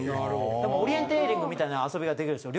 オリエンテーリングみたいな遊びができるんですよ。